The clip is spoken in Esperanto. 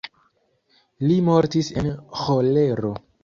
Li mortis en ĥolero.